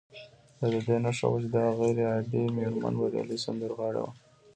دا د دې نښه وه چې دغه غير عادي مېرمن بريالۍ سندرغاړې وه